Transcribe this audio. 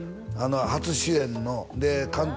初主演ので監督